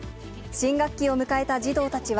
新学期を迎えた児童たちは、